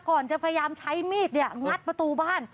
จะพยายามใช้มีดเนี่ยงัดประตูบ้าน